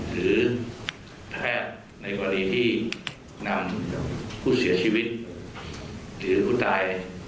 หรือแพทย์ในกรณีที่นำผู้เสียชีวิตหรือผู้ตาย